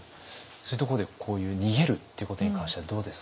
そういうところでこういう逃げるっていうことに関してはどうですか？